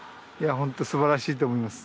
本当素晴らしいと思います。